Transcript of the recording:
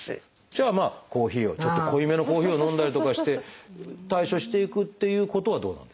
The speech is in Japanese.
じゃあコーヒーをちょっと濃いめのコーヒーを飲んだりとかして対処していくっていうことはどうなんですか？